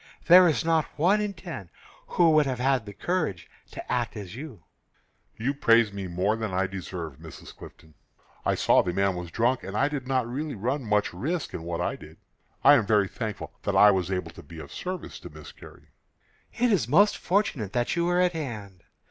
There is not one in ten who would have had the courage to act as you did." "You praise me more than I deserve, Mrs. Clifton. I saw the man was drunk, and I did not really run much risk in what I did. I am very thankful that I was able to be of service to Miss Carrie." "It is most fortunate that you were at hand.